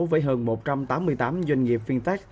với hơn một trăm tám mươi tám doanh nghiệp fintech